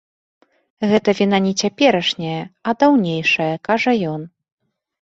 Гэта віна не цяперашняя, а даўнейшая, кажа ён.